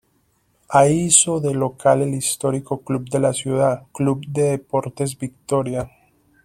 Ahí hizo de local el histórico club de la ciudad, Club de Deportes Victoria.